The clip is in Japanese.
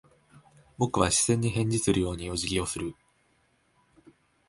僕は視線に返事をするようにお辞儀をする。